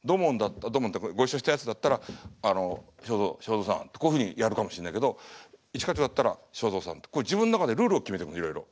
土門ご一緒したやつだったら「あの正蔵さん」ってこういうふうにやるかもしれないけど「一課長」だったら「正蔵さん」って自分の中でルールを決めてくのいろいろ。